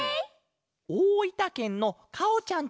おおいたけんの「かおちゃん」